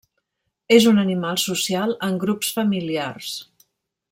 És un animal social en grups familiars.